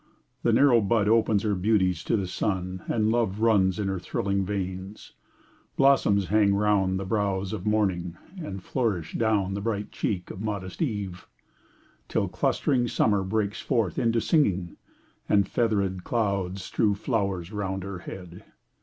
" The narrow bud opens her beauties to " The sun, and love runs in her thrilling veins ;" Blossoms hang round the brows of morning, and " Flourish down the bright cheek of modest eve, " Till clustering Summer breaks forth into singing, " And feather'd clouds strew flowers round her head.